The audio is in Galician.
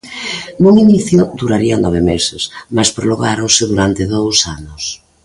Nun inicio durarían nove meses, mais prolongáronse durante dous anos.